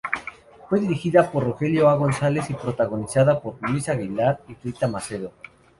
Fue dirigida por Rogelio A. González y protagonizada por Luis Aguilar y Rita Macedo.